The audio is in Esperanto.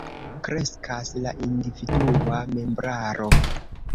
Kreskas la individua membraro.